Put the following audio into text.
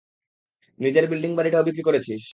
নিজের বিল্ডিং বাড়িটাও বিক্রি করেছিস।